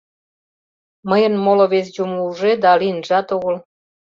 — Мыйын моло вес юмо уже да лийынжат огыл.